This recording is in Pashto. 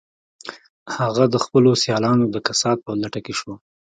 هغه د خپلو سیالانو د کسات په لټه کې شو